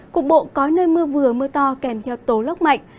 cục bộ có nơi mưa vừa mưa to kèm theo tố lốc mạnh